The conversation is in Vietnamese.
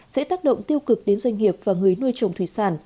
sẽ tác động tiêu cực đến doanh nghiệp và người nuôi trồng thủy sản